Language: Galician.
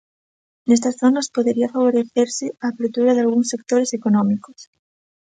Nestas zonas podería favorecerse a apertura dalgúns sectores económicos.